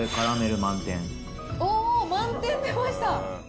おー、満点出ました。